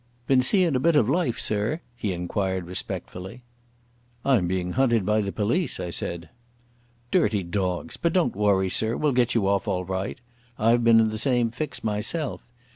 "Been seein' a bit of life, sir?" he inquired respectfully. "I'm being hunted by the police," I said. "Dirty dogs! But don't worry, sir; we'll get you off all right. I've been in the same fix myself.